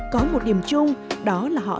có một điểm chung đó là họ